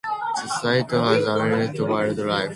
The site has abundant wildlife.